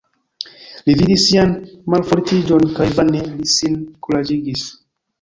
Li vidis sian malfortiĝon kaj vane li sin kuraĝigis.